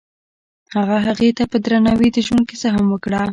هغه هغې ته په درناوي د ژوند کیسه هم وکړه.